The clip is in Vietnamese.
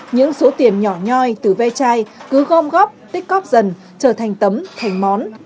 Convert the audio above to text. những số tiền nhỏ nhoi từ ve chai cứ gom góp tích cóp dần trở thành tấm thành món